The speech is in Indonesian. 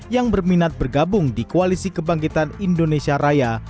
yang berminat bergabung di koalisi kebangkitan indonesia raya